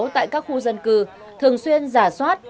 tại các khu dân cư thường xuyên giả soát